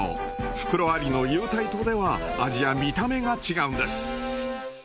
袋ありの有袋とでは味や見た目が違うんです。